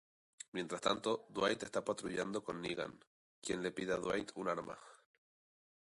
Mientras tanto, Dwight está patrullando con Negan, quien le pide a Dwight un arma.